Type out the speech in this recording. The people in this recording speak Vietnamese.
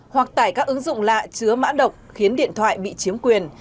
hoặc tải các ứng dụng lạ chứa mã độc khiến điện thoại bị chiếm quyền